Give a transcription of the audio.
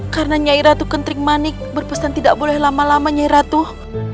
karena nyairatuh kentring manik berpesan tidak boleh lama lama nyairatuh